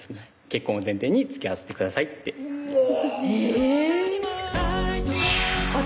「結婚を前提につきあわせてください」ってうわ